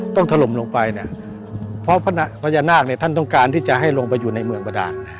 ถล่มลงไปเนี่ยเพราะพญานาคเนี่ยท่านต้องการที่จะให้ลงไปอยู่ในเมืองประดาน